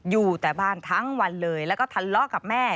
อยู่แต่บ้านทั้งวันเลยแล้วก็ทะเลาะกับแม่